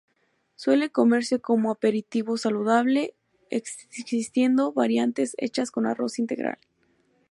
Suele comerse como aperitivo saludable, existiendo variantes hechas con arroz integral.